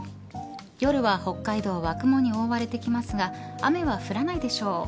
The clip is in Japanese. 夜は北海道は雲に覆われてきますが雨は降らないでしょう。